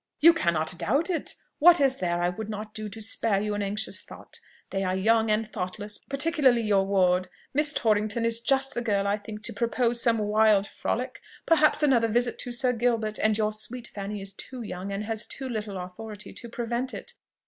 "You cannot doubt it! what is there I would not do to spare you an anxious thought! They are young and thoughtless, particularly your ward. Miss Torrington is just the girl, I think, to propose some wild frolic perhaps another visit to Sir Gilbert; and your sweet Fanny is too young and has too little authority to prevent it."